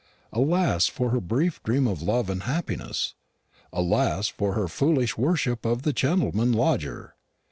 Alas for her brief dream of love and happiness! Alas for her foolish worship of the gentleman lodger!